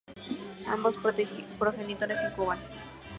Ambos progenitores incuban.